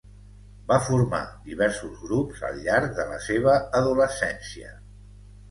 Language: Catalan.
Va formar diversos grups al llarg de la seva adolescència.